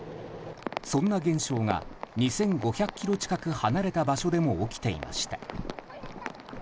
そんな現象が２５００ｋｍ近く離れた場所でも起きていました。